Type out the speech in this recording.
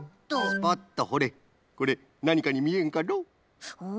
スポッとほれこれなにかにみえんかの？